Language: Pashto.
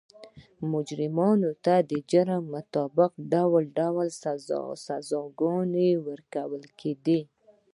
مجرمانو ته د جرم مطابق ډول ډول سزاګانې ورکول کېدې.